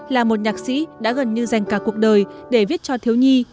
là một nhạc sĩ đã gần như dành cả cuộc đời để viết cho thiếu nhi